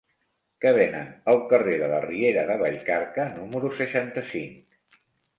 Què venen al carrer de la Riera de Vallcarca número seixanta-cinc?